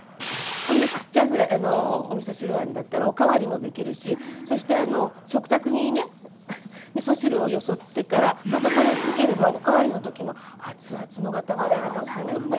こんなちっちゃいおみそ汁わんだったらお代わりもできるしそして食卓にねみそ汁をよそってからまたこれかければお代わりの時も熱々のが食べられますもんね。